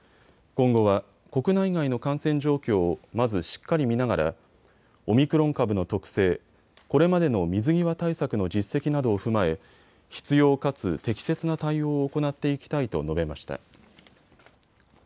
今後は国内外の感染状況をまずしっかり見ながらオミクロン株の特性、これまでの水際対策の実績などを踏まえ必要かつ適切な対応を行っていきたいと述べました。